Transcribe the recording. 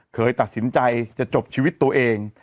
เคยตัดสินใจจะจบชีวิตตัวเอง